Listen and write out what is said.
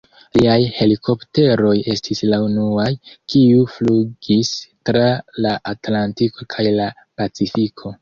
Liaj helikopteroj estis la unuaj, kiu flugis tra la Atlantiko kaj la Pacifiko.